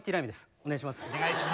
お願いします。